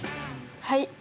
はい！